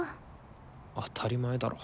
当たり前だろ。